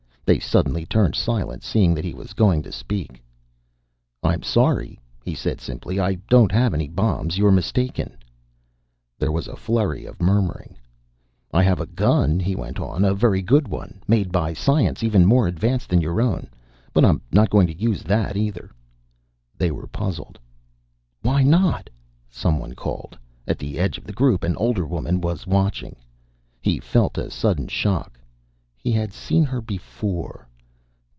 They suddenly turned silent, seeing that he was going to speak. "I'm sorry," he said simply. "I don't have any bombs. You're mistaken." There was a flurry of murmuring. "I have a gun," he went on. "A very good one. Made by science even more advanced than your own. But I'm not going to use that, either." They were puzzled. "Why not?" someone called. At the edge of the group an older woman was watching. He felt a sudden shock. He had seen her before.